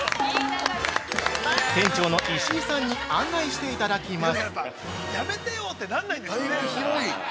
◆店長の石井さんに案内していただきます。